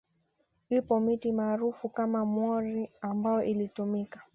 Ipo miti maarufu kama mwori ambayo ilitumika